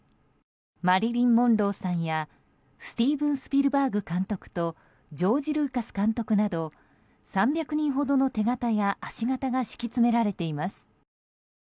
マリリン・モンローさんやスティーブン・スピルバーグ監督とジョージ・ルーカス監督など３００人ほどの手形や足形が敷き詰められています。